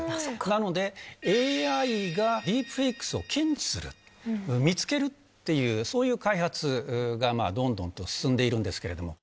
なのでＡＩが、ディープフェイクスを検知する、見つけるっていう、そういう開発がどんどんと進んでいるんですけれども。